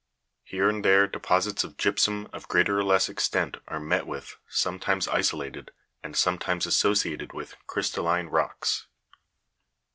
Here and there deposits of gyp sum of greater or less extent are met with, sometimes isolated, and sometimes associated with crystalline rocks.